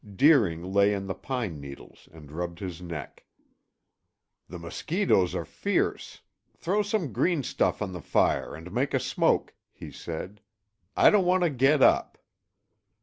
Deering lay in the pine needles and rubbed his neck. "The mosquitoes are fierce. Throw some green stuff on the fire and make a smoke," he said. "I don't want to get up."